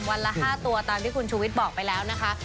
วันละ๕ตัวตามที่คุณชูวิทย์บอกไปแล้วนะคะ